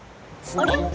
あれ？